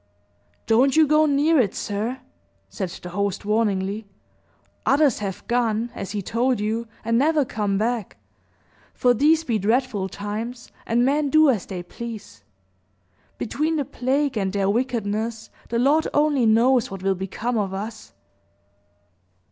"Don't you go near it, sir!" said the host, warningly. "Others have gone, as he told you, and never come back; for these be dreadful times, and men do as they please. Between the plague and their wickedness, the Lord only knows what will become of us!"